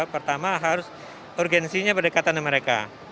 pertama harus urgensinya berdekatan sama mereka